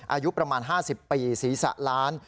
อายุประมาณ๕๐ปีศีรษะล้าน